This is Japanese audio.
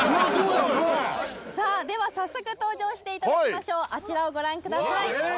では早速登場していただきましょうあちらをご覧ください